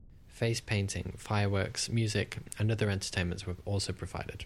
Face painting, fireworks, music, and other entertainments were also provided.